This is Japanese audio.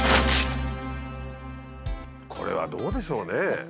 これはどうでしょうね。